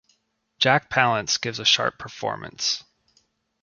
Jack Palance gives a sharp performance.